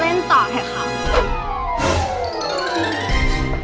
เล่นต่อแค่ครับ